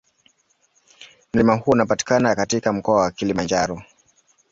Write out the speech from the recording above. Mlima huo unapatikana katika Mkoa wa Kilimanjaro.